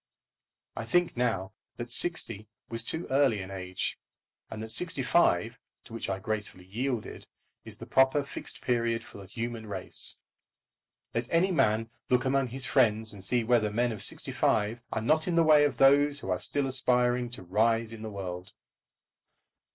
I think now that sixty was too early an age, and that sixty five, to which I gracefully yielded, is the proper Fixed Period for the human race. Let any man look among his friends and see whether men of sixty five are not in the way of those who are still aspiring to rise in the world.